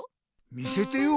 見せてよ。